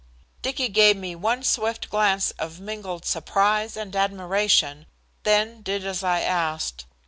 Dicky gave me one swift glance of mingled surprise and admiration, then did as I asked.